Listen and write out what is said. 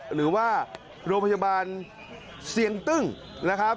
หรือว่าโรงพยาบาลเสียงตึ้งนะครับ